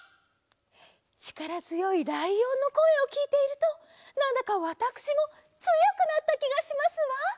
ちからづよいライオンのこえをきいているとなんだかわたくしもつよくなったきがしますわ！